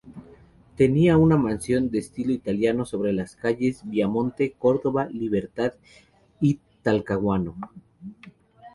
Tenía una mansión de estilo italiano sobre las calles Viamonte, Córdoba, Libertad y Talcahuano.